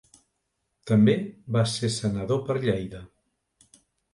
També va ser senador per Lleida.